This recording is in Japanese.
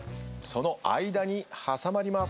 その間に挟まります。